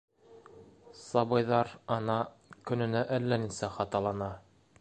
- Сабыйҙар, ана, көнөнә әллә нисә хаталана.